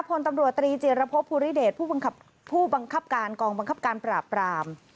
พลตำรวจตรีจิรพบภูริเดชผู้บังคับการกองบังคับการปราบราม